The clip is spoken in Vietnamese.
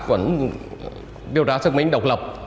vẫn điều tra xác minh độc lập